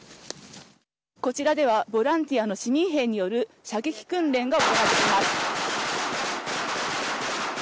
こちらではボランティアの市民兵による射撃訓練が行われています。